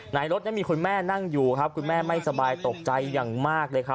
ในรถนั้นมีคุณแม่นั่งอยู่ครับคุณแม่ไม่สบายตกใจอย่างมากเลยครับ